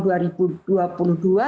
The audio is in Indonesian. dan saya juga